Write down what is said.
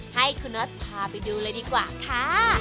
ให้คุณน็อตพาไปดูเลยดีกว่าค่ะ